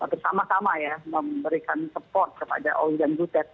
bersama sama ya memberikan support kepada ol dan utep